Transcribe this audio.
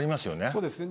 そうですね。